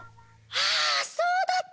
ああそうだった！